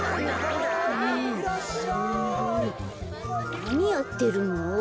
なにやってるの？